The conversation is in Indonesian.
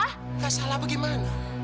tidak salah bagaimana